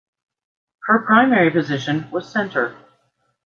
Her primary position was center.